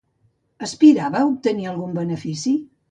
Aspirava a obtenir algun benefici?